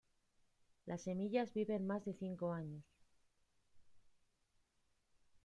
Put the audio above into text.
Las semillas viven más de cinco años.